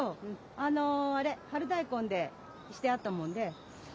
あのあれ春大根でしてあったもんで。